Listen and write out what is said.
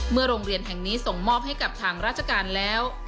โรงเรียนแห่งนี้ส่งมอบให้กับทางราชการแล้ว